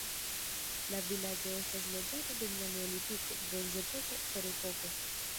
La vilaĝo estis loĝata dum la neolitiko, bronzepoko, ferepoko.